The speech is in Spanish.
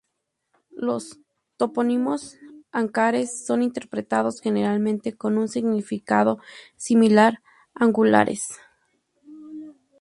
Los topónimos "Ancares" son interpretados generalmente con un significado similar a "angulares".